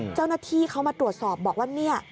เจ้าหน้าที่เขามาตรวจสอบบอกว่าเนี่ย